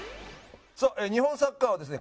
日本サッカーはですね